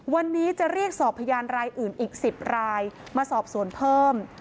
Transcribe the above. วันนี้จะเรียกสอบพยานรายอื่นอีก๑๐รายมาสอบสวนเพิ่ม